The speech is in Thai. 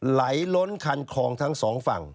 ล้นคันคลองทั้งสองฝั่ง